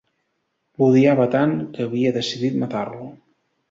L'odiava tant que havia decidit matar-lo.